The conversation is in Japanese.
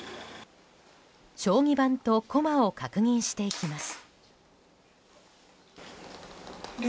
将棋盤と駒を確認していきます。